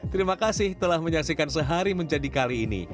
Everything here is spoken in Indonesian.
terima kasih telah menyaksikan sehari menjadi kali ini